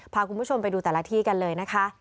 พาคุณผู้ชมไปดูแต่ละที่กันเลยนะคะ